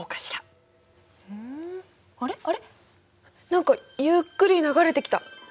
何かゆっくり流れてきた。